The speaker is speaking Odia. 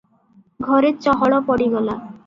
ଘରେ ଚହଳ ପଡ଼ିଗଲା ।